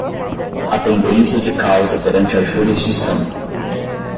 A pendência de causa perante a jurisdição